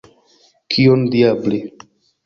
Kion, diable!